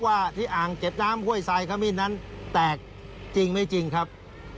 ว่าที่อ่างเก็บน้ำห้วยทรายขมิ้นนั้นแตกจริงไม่จริงครับ